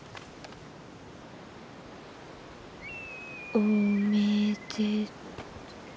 おめでと。